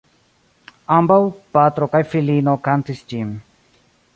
Ambaŭ, patro kaj filino kantis ĝin.